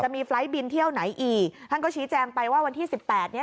มีไฟล์ทบินเที่ยวไหนอีกท่านก็ชี้แจงไปว่าวันที่สิบแปดเนี้ย